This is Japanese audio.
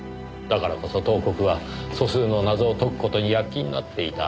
だからこそ東国は素数の謎を解く事に躍起になっていた。